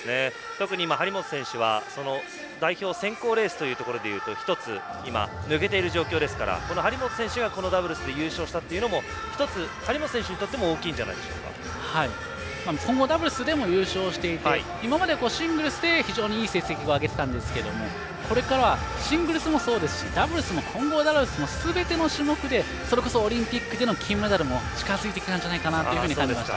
張本選手は代表選考レースというところでいうと１つ抜けている状況ですから張本選手がこのダブルスで優勝したというのも１つ、張本選手にとっても混合ダブルスでも優勝していて今まで、シングルスでいい成績を挙げていたんですけどこれからはシングルスもそうですしダブルスも混合ダブルスもすべての種目でそれこそオリンピックでの金メダルも近づいてきたんじゃないかなと感じました。